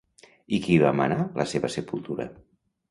I qui va manar la seva sepultura?